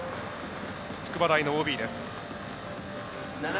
筑波大のＯＢです。